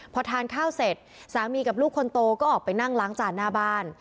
พอทานข้าวเสร็จสามีกับลูกคนโตก็ออกไปนั่งล้างจานหน้าบ้าน